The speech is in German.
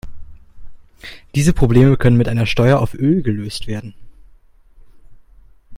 Diese Probleme können mit einer Steuer auf Öl gelöst werden.